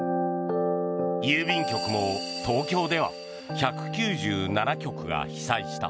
郵便局も東京では１９７局が被災した。